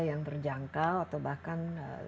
yang berjangka atau bahkan